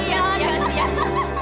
ya siang ya ya siang